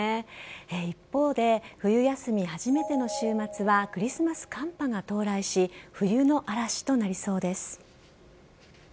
一方で、冬休み初めての週末はクリスマス寒波が到来し、冬の嵐となりそうです。